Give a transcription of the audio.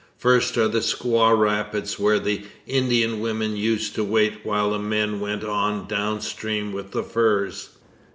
First are the Squaw Rapids, where the Indian women used to wait while the men went on down stream with the furs.